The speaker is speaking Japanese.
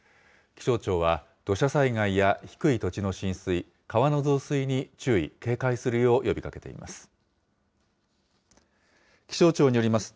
気象庁は、土砂災害や低い土地の浸水、川の増水に注意、警戒するよう呼びかけています。